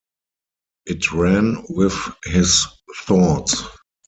It ran with his thoughts.